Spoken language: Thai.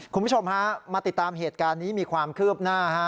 คุณผู้ชมฮะมาติดตามเหตุการณ์นี้มีความคืบหน้าฮะ